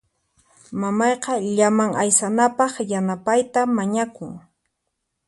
Mamayqa llaman aysanapaq yanapayta mañakun.